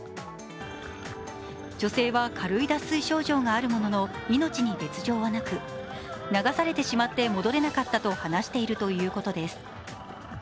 女性は軽い脱水症状があるものの命に別状はなく流されてしまって戻れなかったと話しているということです。